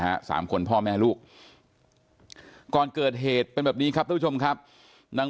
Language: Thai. สามคนพ่อแม่ลูกก่อนเกิดเหตุเป็นแบบนี้ครับทุกผู้ชมครับนาง